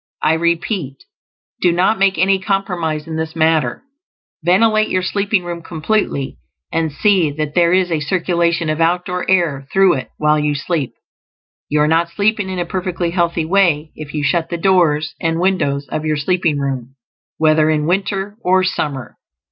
I repeat, do not make any compromise in this matter; ventilate your sleeping room completely, and see that there is a circulation of outdoor air through it while you sleep. You are not sleeping in a perfectly healthy way if you shut the doors and windows of your sleeping room, whether in winter or summer.